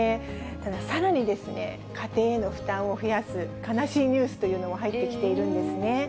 ただ、さらに家庭への負担を増やす悲しいニュースというのも入ってきているんですね。